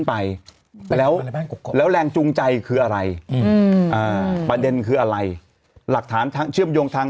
ไปแล้วแล้วแรงจูงใจคืออะไรประเด็นคืออะไรหลักฐานทางเชื่อมโยงทาง